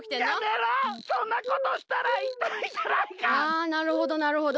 あなるほどなるほど。